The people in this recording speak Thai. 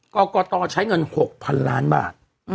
กรกตใช้เงิน๖๐๐๐ล้านบาท